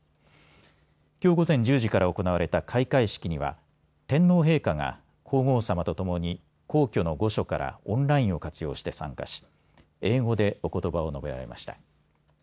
きょう午前１０時から行われた開会式には天皇陛下が皇后さまとともに皇居の御所からオンラインを活用して参加し英語でおことばを述べられました。